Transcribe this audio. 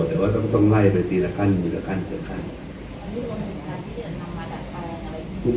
เดี๋ยวแล้วต้องการเล่ยไปสี่ละคันหมดอ่ะก็ให้ไปดูดู